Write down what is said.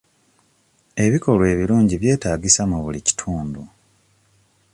Ebikolwa ebirungi byetaagisa mu buli kitundu.